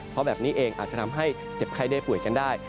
เพราะแบบนี้เองอาจจะทำให้เจ็บไข้ได้ป่วยกันได้